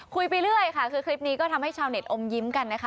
คุยไปเรื่อยค่ะคือคลิปนี้ก็ทำให้ชาวเน็ตอมยิ้มกันนะคะ